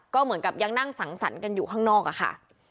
ก็เหมือนกับยังนั่งสังสรรค์กันอยู่ข้างนอกอะค่ะ